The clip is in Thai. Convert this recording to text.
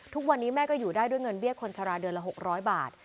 ทุกวันนี้แม่ก็อยู่ได้ด้วยเงินเบี้ยคนชะลาเดือนละ๖๐๐บาท